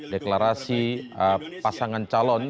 deklarasi pasangan calon